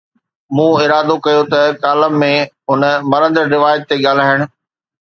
مون ارادو ڪيو ته ڪالم ۾ هن مرندڙ روايت تي ڳالهائڻ.